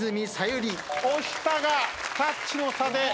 押したがタッチの差で。